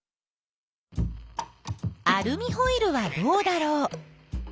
アルミホイルはどうだろう。